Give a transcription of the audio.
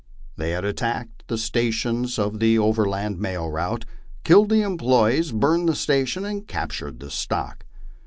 They had attacked the stations of the overland mail route, killed the employees, burned the station, arid captured the stock.